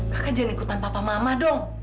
kakak jangan ikutan papa mama dong